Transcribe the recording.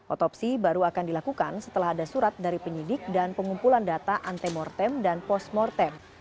otopsi baru akan dilakukan setelah ada surat dari penyidik dan pengumpulan data antemortem dan postmortem